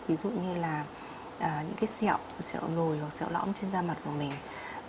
ví dụ như là những cái xẹo sẹo nồi hoặc sẹo lõm trên da mặt của mình